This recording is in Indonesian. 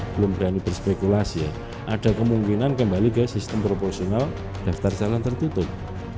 belum berani berspekulasi ya ada kemungkinan kembali ke sistem proporsional daftar calon tertutup